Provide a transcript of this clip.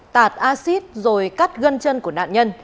tạt acid rồi cắt gân chân của nạn nhân